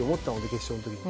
決勝の時に。